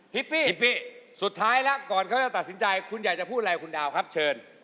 ฮิปปี้สุดท้ายแล้วก่อนเขาจะตัดสินใจคุณใหญ่จะพูดอะไรครับคุณดาวเชิญ